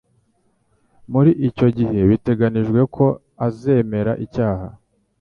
Muri icyo gihe biteganijwe ko azemera icyaha